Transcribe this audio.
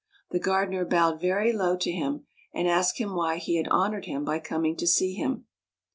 The gardener bowed very low to him, and asked him why he had honored him by coming to see him.